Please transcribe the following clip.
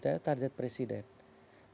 kalau target presiden setidaknya